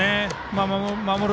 守る